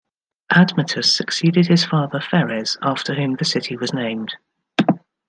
Admetus succeeded his father Pheres after whom the city was named.